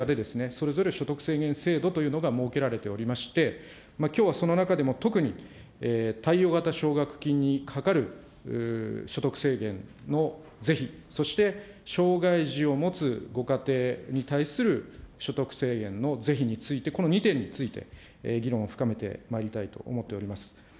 そして奨学金、また障害児に対する支援など、幅広い分野でそれぞれ所得制限制度というのが設けられておりまして、きょうはその中でも特に貸与型奨学金にかかる所得制限の是非、そして障害児を持つご家庭に対する所得制限の是非について、この２点について、議論を深めてまいりたいと思っております。